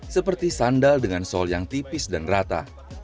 seperti sandal dengan sol yang tipis dan rata